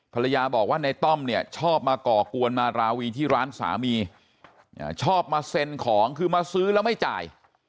ภรรยาบอกว่าในต้อมเนี่ยชอบมาก่อกวนมาราวีที่ร้านสามีชอบมาเซ็นของคือมาซื้อแล้วไม่จ่าย